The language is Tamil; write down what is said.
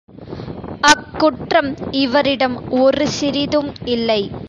அக் குற்றம் இவரிடம் ஒரு சிறிதும் இல்லை.